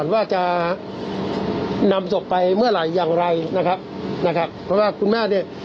ว่าจะนำศพไปเมื่อไหร่อย่างไรนะครับนะครับเพราะว่าคุณแม่เนี่ย